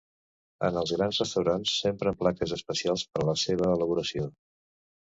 En els grans restaurants, s'empren plaques especials per a la seva elaboració.